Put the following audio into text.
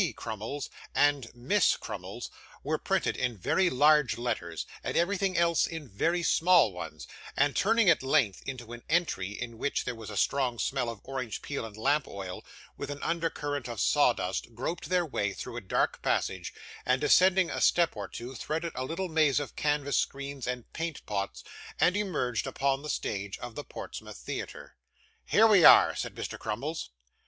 Crummles, and Miss Crummles, were printed in very large letters, and everything else in very small ones; and, turning at length into an entry, in which was a strong smell of orange peel and lamp oil, with an under current of sawdust, groped their way through a dark passage, and, descending a step or two, threaded a little maze of canvas screens and paint pots, and emerged upon the stage of the Portsmouth Theatre. 'Here we are,' said Mr. Crummles.